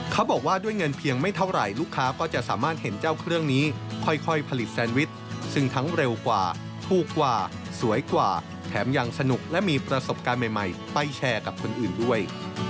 เขาบอกว่าด้วยเงินเพียงไม่เท่าไหร่ลูกค้าก็จะสามารถเห็นเจ้าเครื่องนี้ค่อยผลิตแซนวิชซึ่งทั้งเร็วกว่าถูกกว่าสวยกว่าแถมยังสนุกและมีประสบการณ์ใหม่ไปแชร์กับคนอื่นด้วย